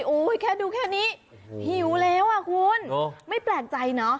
โอ้โหอุ้ยแค่ดูแค่นี้หิวแล้วอ่ะคุณเนอะไม่แปลงใจน่ะ